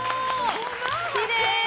きれい！